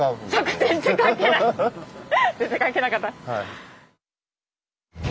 全然関係なかった。